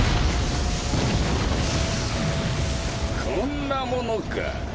こんなものか。